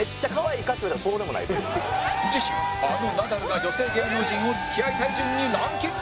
次週あのナダルが女性芸能人を付き合いたい順にランキング